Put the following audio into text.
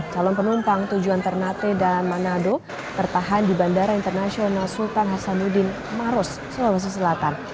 calon penumpang tujuan ternate dan manado tertahan di bandara internasional sultan hasanuddin maros sulawesi selatan